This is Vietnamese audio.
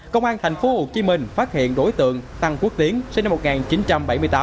công an thành phố hồ chí minh phát hiện đối tượng tăng quốc tiến sinh năm một nghìn chín trăm bảy mươi tám